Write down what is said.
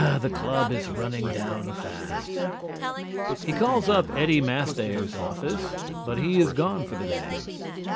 The club is running down fast. He calls up Eddie Mastayer's office but he has gone for the day.